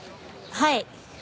はい。